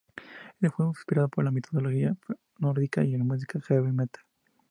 El juego fue inspirado por la mitología nórdica y la música Heavy metal.